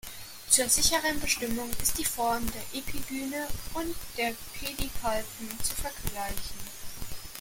Zur sicheren Bestimmung ist die Form der Epigyne und der Pedipalpen zu vergleichen.